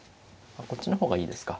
こっちの方がいいですか。